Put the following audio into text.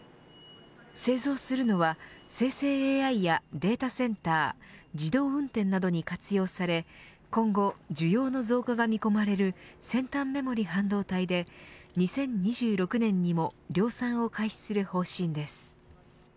製造するのは生成ＡＩやデータセンター自動運転などに活用され今後、需要の増加が見込まれる先端メモリ半導体で２０２６年にも量産を開始する方針です。